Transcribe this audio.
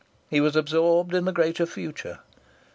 He was absorbed in the greater future.